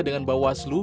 dengan bahwa aslu